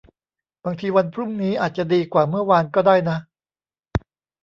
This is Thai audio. บางทีวันพรุ่งนี้อาจจะดีกว่าเมื่อวานก็ได้นะ